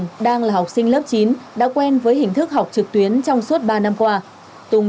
trường đang là học sinh lớp chín đã quen với hình thức học trực tuyến trong suốt ba năm qua tùng